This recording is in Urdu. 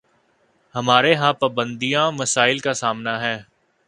ہمارے ہاں بنیادی مسائل کا سامنا ہے۔